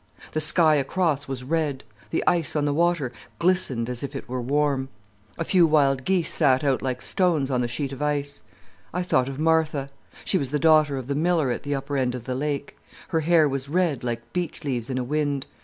"The sky across was red, the ice on the water glistened as if it were warm. A few wild geese sat out like stones on the sheet of ice. I thought of Martha. She was the daughter of the miller at the upper end of the lake. Her hair was red like beech leaves in a wind.